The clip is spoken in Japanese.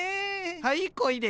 はいこいで。